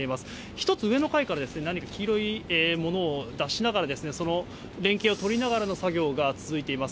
１つ上の階から何か黄色いものを出しながら、連携を取りながらの作業が続いています。